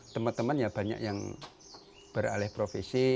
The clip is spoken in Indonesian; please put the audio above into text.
teman teman ya banyak yang beralih profesi